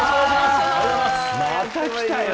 また来たよ。